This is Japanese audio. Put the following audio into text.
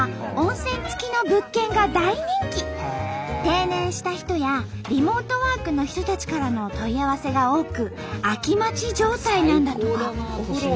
定年した人やリモートワークの人たちからの問い合わせが多く空き待ち状態なんだとか。